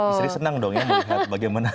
istri senang dong ya melihat bagaimana